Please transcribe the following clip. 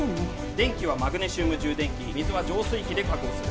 電気はマグネシウム充電器水は浄水器で確保する。